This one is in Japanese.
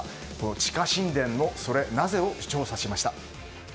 地下神殿のソレなぜ？を調査しました。